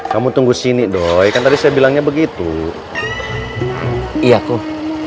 kamu tunggu sini doi kan tadi saya bilangnya begitu iya kum